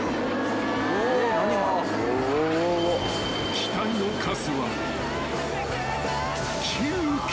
［機体の数は］